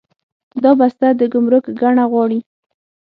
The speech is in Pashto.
دا بسته د ګمرک ګڼه غواړي.